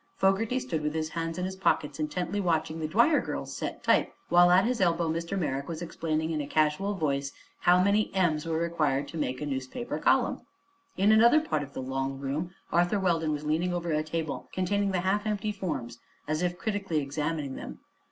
Fogerty stood with his hands in his pockets intently watching the Dwyer girls set type, while at his elbow Mr. Merrick was explaining in a casual voice how many "m's" were required to make a newspaper column. In another part of the long room Arthur Weldon was leaning over a table containing the half empty forms, as if critically examining them.